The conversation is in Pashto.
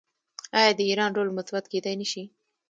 آیا د ایران رول مثبت کیدی نشي؟